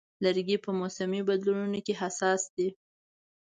لرګی په موسمي بدلونونو حساس دی.